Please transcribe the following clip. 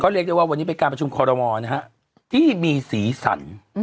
เรียกได้ว่าวันนี้เป็นการประชุมคอรมอลนะฮะที่มีสีสัน